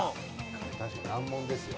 確かに難問ですよ。